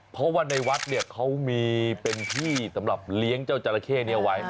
เพราะว่าในวัดเนี่ยเขามีเป็นที่สำหรับเลี้ยงเจ้าจราเข้นี้เอาไว้